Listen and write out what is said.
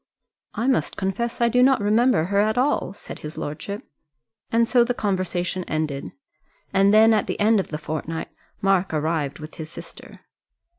"I must confess I do not remember her at all," said his lordship. And so the conversation ended. And then at the end of the fortnight Mark arrived with his sister.